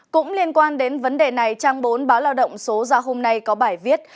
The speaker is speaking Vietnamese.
cũng liên quan đến vấn đề này trang bốn báo lao động số ra hôm nay có bài viết